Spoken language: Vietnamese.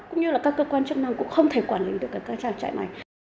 cũng như là các cơ quan chức năng cũng không thể quản lý được các trang trại này